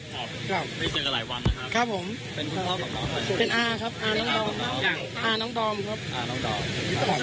ปกติเจอเขาอยู่กับเขาทุกวันไหมครับ